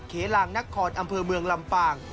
เขลางนครอำเภอเมืองลำปาง